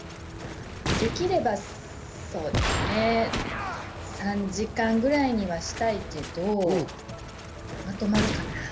できれば３時間ぐらいにはしたいけど、まとまるかな？